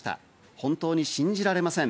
本当に信じられません。